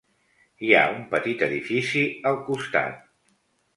Hi ha un petit edifici al costat.